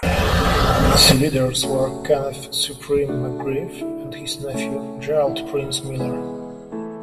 The leaders were Kenneth "Supreme" McGriff and his nephew, Gerald "Prince" Miller.